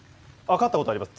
飼ったことあります。